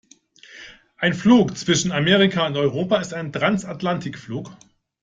Ein Flug zwischen Amerika und Europa ist ein Transatlantikflug.